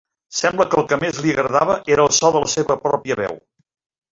Sembla que el que més li agradava era el so de la seva pròpia veu.